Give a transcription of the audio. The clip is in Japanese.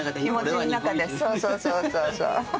そうそうそうそうそう。